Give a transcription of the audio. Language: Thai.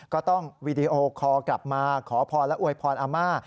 ก็ต้องวีดีโอคอลกลับมาขอพรและอวยพรอาม่า